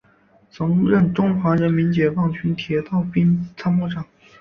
曾任中国人民解放军铁道兵参谋长。